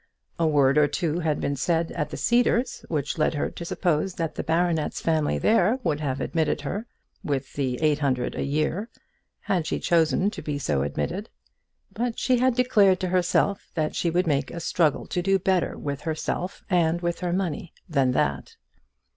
A word or two had been said at the Cedars which led her to suppose that the baronet's family there would have admitted her, with her eight hundred a year, had she chosen to be so admitted. But she had declared to herself that she would make a struggle to do better with herself and with her money than that.